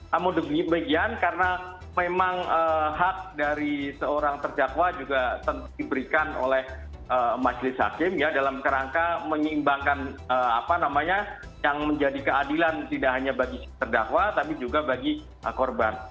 namun demikian karena memang hak dari seorang terdakwa juga diberikan oleh majelis hakim ya dalam kerangka menyeimbangkan apa namanya yang menjadi keadilan tidak hanya bagi terdakwa tapi juga bagi korban